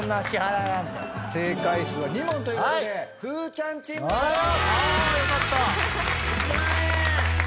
正解数は２問ということでふーちゃんチームの勝ち！